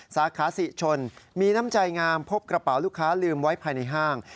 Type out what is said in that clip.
สาขาศรีชนมีน้ำใจงามพบกระเป๋าลูกค้าลืมไว้ภายในห้าง